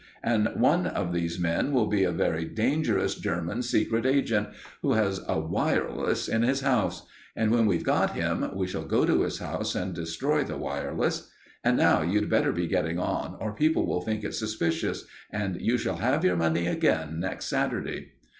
And one of these men will be a very dangerous German secret agent, who has a 'wireless' at his house. And when we've got him, we shall go to his house and destroy the 'wireless.' And now you'd better be getting on, or people will think it suspicious. And you shall have your money again next Saturday."